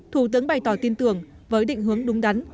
thủ tướng bày tỏ tin tưởng với định hướng đúng đắn